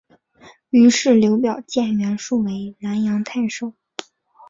于是刘表荐袁术为南阳太守。